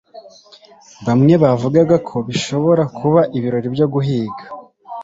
bamwe bavugaga ko bishobora kuba ibirori byo guhiga